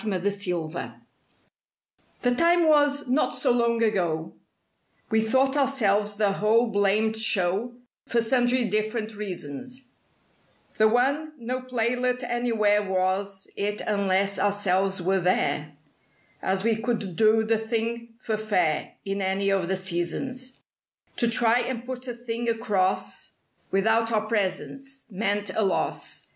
WHEN WE'RE TRIMMED The time was—not so long ago— We thought ourselves the whole blamed show For sundry dif'rent reasons: The one—no playlet anywhere Was IT unless ourselves were there; As we could do the thing for fair In any of the seasons. To try and "put a thing across" Without our presence, meant a loss.